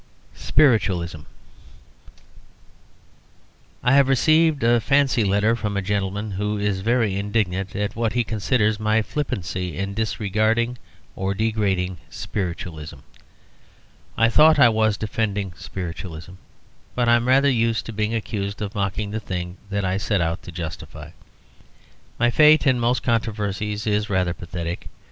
SPIRITUALISM. I Have received a letter from a gentleman who is very indignant at what he considers my flippancy in disregarding or degrading Spiritualism. I thought I was defending Spiritualism; but I am rather used to being accused of mocking the thing that I set out to justify. My fate in most controversies is rather pathetic.